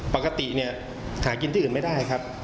ปกติเนี่ยหากินที่อื่นไม่ได้ครับ